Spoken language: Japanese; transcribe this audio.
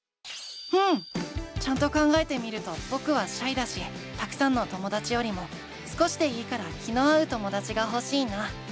うん！ちゃんと考えてみるとぼくはシャイだしたくさんのともだちよりも少しでいいから気の合うともだちがほしいな。